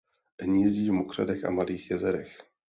Hnízdí v mokřadech a malých jezerech.